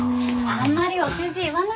あんまりお世辞言わないで。